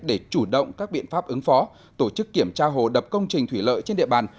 để chủ động các biện pháp ứng phó tổ chức kiểm tra hồ đập công trình thủy lợi trên địa bàn